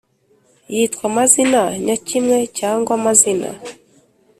yitwa amazina nyakimwe cyangwa amazina